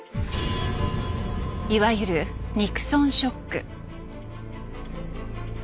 いわゆる「ニクソン・ショック」。